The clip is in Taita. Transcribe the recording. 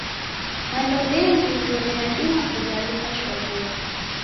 Mando mengi ndoe yadima kughaluka shwaw'ori.